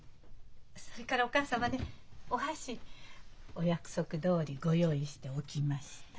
それからお母様お箸お約束どおりご用意しておきました。